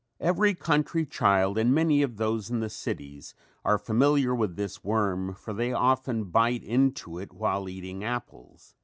] Every country child and many of those of the cities, are familiar with this worm for they often bite into it while eating apples.